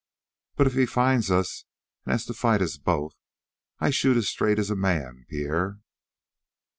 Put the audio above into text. "But if he finds us and has to fight us both I shoot as straight as a man, Pierre!"